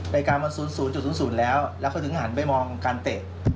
ในการหมด๐๐แล้วเขาถึงหันไปมองการเตะ